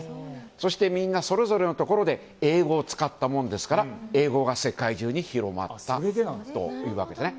そしてみんなそれぞれのところで英語を使ったものですから英語が世界中に広まったというわけですね。